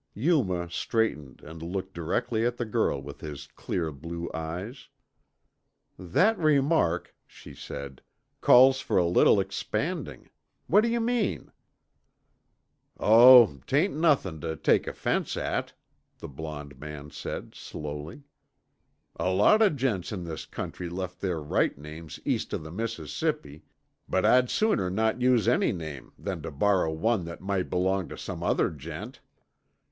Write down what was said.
Yuma straightened and looked directly at the girl with his clear blue eyes. "That remark," she said, "calls for a little expanding. What do you mean?" "Oh, 'tain't nothin' tuh take offense at," the blond man said slowly. "A lot o' gents in this country left their right names east of the Mississippi, but I'd sooner not use any name than tuh borrow one that might belong tuh some other gent."